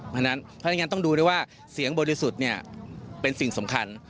เพราะฉะนั้นต้องดูด้วยว่าเสียงบริสุทธิ์เป็นสิ่งสำคัญ